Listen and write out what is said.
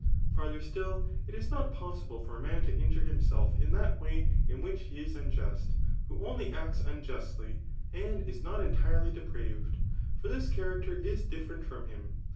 Farther still, it is not possible for a man to injure himself in that way in which he is unjust, who only acts unjustly, and is not entirely depraved ; for this character is different from him.